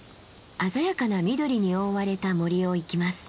鮮やかな緑に覆われた森を行きます。